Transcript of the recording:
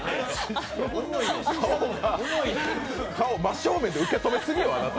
顔が、顔、真正面で受け止めすぎよ、あなた。